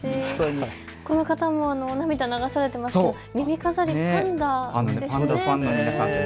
この方も涙、流されていますけど耳飾り、パンダですね。